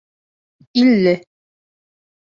Илле